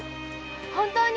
本当に？